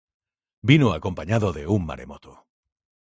Vino acompañado de un maremoto.